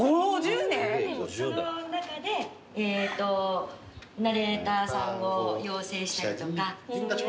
その中でナレーターさんを養成したりとか。